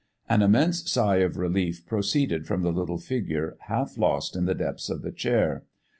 An immense sigh of relief proceeded from the little figure half lost in the depths of the chair.